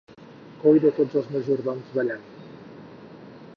Coi de tots els majordoms ballant!